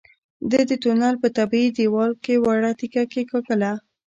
ده د تونل په طبيعي دېوال کې وړه تيږه کېکاږله.